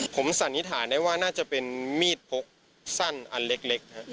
ผมสันนิษฐานได้ว่าน่าจะเป็นมีดพกสั้นอันเล็ก